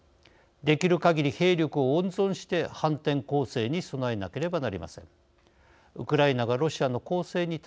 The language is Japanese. できるかぎり兵力を温存して反転攻勢に備えなければなりません。